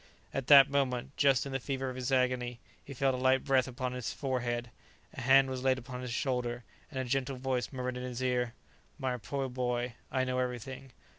At that moment, just in the fever of his agony, he felt a light breath upon his forehead; a hand was laid upon his shoulder, and a gentle voice murmured in his ear, "My poor boy, I know everything.